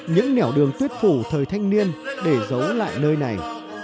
những nẻo đường tuyết phủ thời thanh niên để giấu lại nơi này